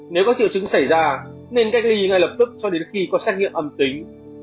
nếu có triệu chứng xảy ra nên cách ly ngay lập tức cho đến khi có xét nghiệm âm tính